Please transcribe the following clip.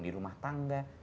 di rumah tangga